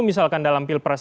misalkan dalam pilpres